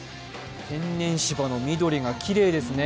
天然芝の緑がきれいですね。